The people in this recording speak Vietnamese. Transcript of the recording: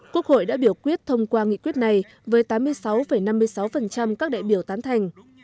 quốc hội đã biểu quyết thông qua nghị quyết này với tám mươi sáu năm mươi sáu các đại biểu tán thành